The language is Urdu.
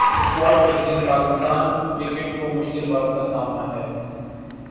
اسپاٹ فکسنگ پاکستان کرکٹ کو مشکل وقت کا سامنا ہے